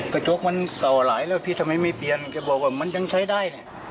กระจกมันเก่าหลายแล้วพี่ทำไมไม่เปลี่ยนแกบอกว่ามันยังใช้ได้เนี่ย